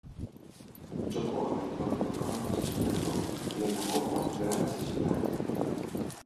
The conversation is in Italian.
Giocò nel torneo calabro-siciliano e nella Coppa Federale Siciliana.